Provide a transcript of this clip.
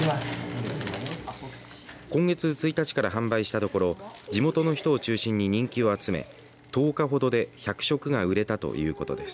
今月１日から販売したところ地元の人を中心に人気を集め１０日ほどで１００食が売れたということです。